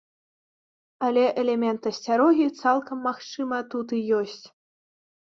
Але элемент асцярогі, цалкам магчыма, тут і ёсць.